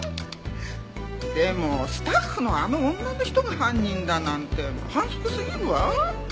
でもスタッフのあの女の人が犯人だなんて反則すぎるわ。